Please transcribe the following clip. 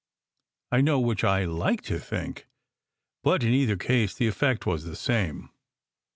I know which I like to think; but in either case the effect was the same.